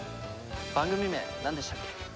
番組名なんでしたっけ？